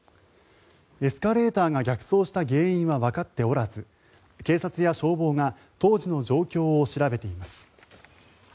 エスカレーターが逆走した原因はわかっておらず警察や消防が当時の状況を調べています。